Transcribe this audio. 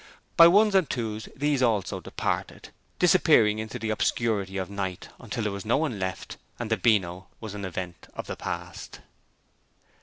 By ones and twos these also departed, disappearing into the obscurity of the night, until there was none left, and the Beano was an event of the past.